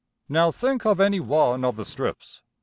Now think of any one of the strips.